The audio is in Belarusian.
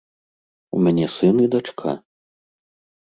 У мяне сын і дачка.